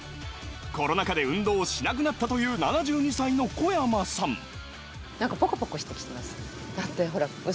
コロナ禍で運動をしなくなったという７２歳の小山さんだってほら。